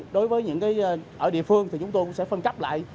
đối với những ở địa phương thì chúng tôi cũng sẽ phân cắp lại